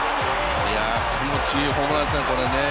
気持ちいいホームランですね、これね。